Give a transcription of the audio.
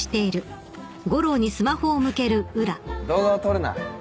動画を撮るな。